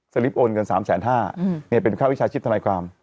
ลิปโอนเงิน๓๕๐๐บาทเป็นค่าวิชาชีพทนายความ